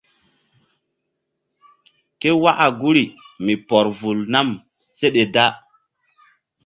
Ké waka guri mi pɔr vul nam seɗe da.